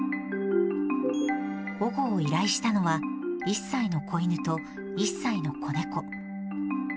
保護を依頼したのは、１歳の子犬と、１歳の子猫。